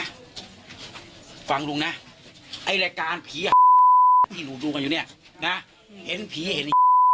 ฟังลุงนะฟังลุงนะไอ้รายการผีที่หนูดูกันอยู่เนี้ยนะเห็นผีเห็น